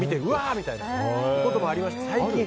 みたいなことありました。